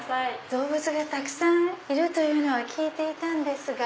動物がたくさんいるというのは聞いていたんですが。